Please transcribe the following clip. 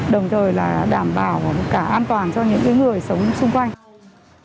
đồng thời đảm bảo an toàn cho những người sống xung quanh